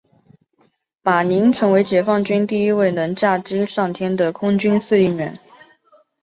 马宁成为解放军第一位能驾机上天的空军司令员。